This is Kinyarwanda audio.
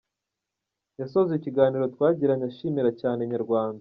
Yasoje ikiganiro twagiranye ashimira cyane Inyarwanda.